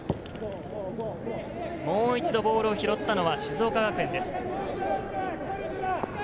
もう一度ボールを拾ったのは静岡学園です。